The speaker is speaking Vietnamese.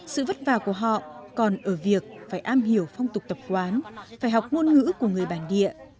sự vất vả của họ còn ở việc phải am hiểu phong tục tập quán phải học ngôn ngữ của người bản địa